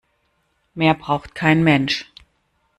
Mehr braucht kein Mensch.